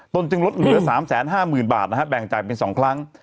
ตนจึงลดเหลือสามแสนห้าหมื่นบาทนะฮะแบ่งจ่ายเป็นสองครั้ง